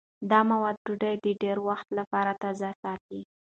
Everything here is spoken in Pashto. دا مواد ډوډۍ د ډېر وخت لپاره تازه ساتي.